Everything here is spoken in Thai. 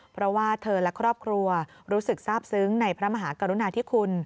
เพราะว่าเธอและครอบครัวรู้สึกทราบซึ้งในพระมหากรุณาธิคุณ